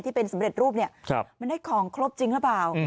สำเร็จรูปเนี่ยมันได้ของครบจริงหรือเปล่า